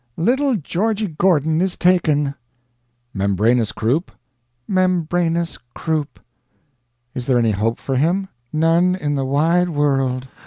Little Georgi Gordon is taken." "Membranous croup?" "Membranous croup." "Is there any hope for him?" "None in the wide world.